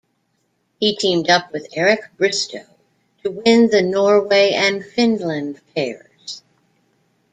He teamed up with Eric Bristow to win the Norway and Finland pairs.